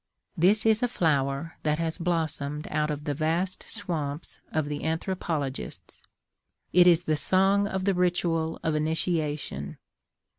This is a flower that has blossomed out of the vast swamps of the anthropologists. It is the song of the ritual of initiation.